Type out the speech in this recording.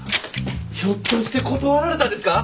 ひょっとして断られたんですか？